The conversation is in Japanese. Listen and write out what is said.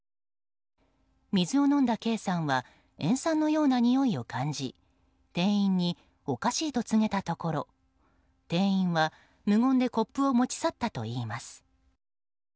水を飲んだＫさんは塩酸のようなにおいを感じ店員におかしいと告げたところ店員は無言でコップを持ち去ったといいます。